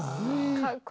かっこいい。